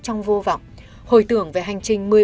trong vô vọng hồi tưởng về hành trình